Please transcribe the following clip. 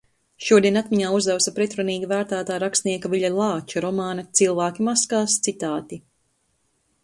Šodien atmiņā uzausa pretrunīgi vērtētā rakstnieka Viļa Lāča romāna "Cilvēki maskās" citāti.